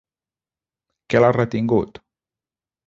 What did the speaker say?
¿Què l'ha retingut?